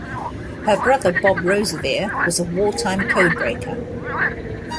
Her brother Bob Roseveare was a wartime codebreaker.